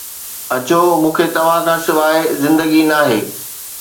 اچو، مون کي توهان کان سواء زندگي ناهي.